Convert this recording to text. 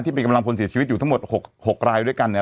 เป็นกำลังพลเสียชีวิตอยู่ทั้งหมด๖รายด้วยกันเนี่ย